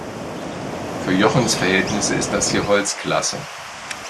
Für Jochens Verhältnisse ist das hier Holzklasse.